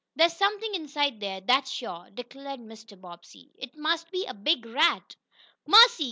"There's something inside there, that's sure," declared Mr. Bobbsey. "It must be a big rat!" "Mercy!"